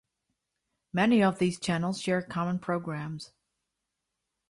Many of these channels share common programs.